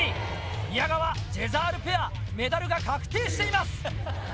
宮川ジェザールペアメダルが確定しています！